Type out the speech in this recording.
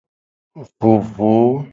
Vovo.